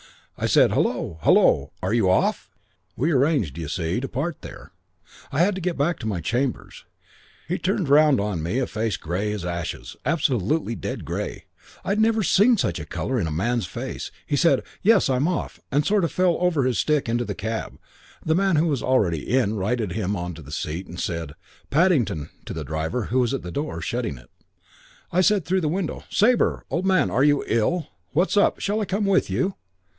I said, 'Hullo! Hullo, are you off?' "We'd arranged, d'you see, to part there. I had to get back to my chambers. He turned round on me a face grey as ashes, absolutely dead grey. I'd never seen such a colour in a man's face. He said, 'Yes, I'm off,' and sort of fell over his stick into the cab. The man, who was already in, righted him on to the seat and said, 'Paddington' to the driver who was at the door, shutting it. I said, through the window, 'Sabre! Old man, are you ill? What's up? Shall I come with you?'